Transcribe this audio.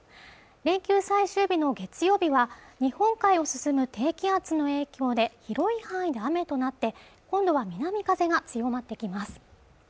連休最終日の月曜日は日本海を進む低気圧の影響で広い範囲で雨となって今度は南風が強まってきます